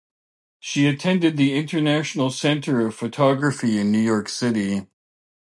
She attended the International Center of Photography in New York City.